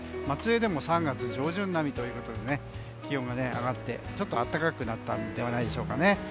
松江でも３月上旬並みということで気温が上がってちょっと暖かくなったんではないでしょうか。